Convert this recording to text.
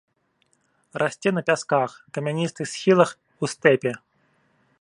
Расце на пясках, камяністых схілах, у стэпе.